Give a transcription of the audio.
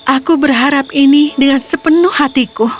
aku berharap ini dengan sepenuh hatiku